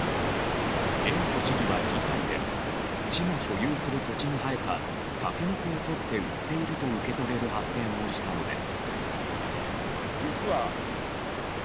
江本市議は議会で市の所有する土地に生えたタケノコをとって売っていると受け取れる発言をしたのです。